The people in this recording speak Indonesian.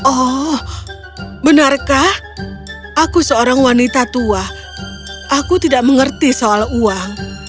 oh benarkah aku seorang wanita tua aku tidak mengerti soal uang